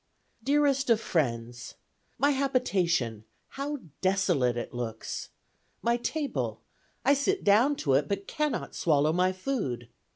"DEAREST OF FRIENDS, My habitation, how desolate it looks! my table, I sit down to it, but cannot swallow my food!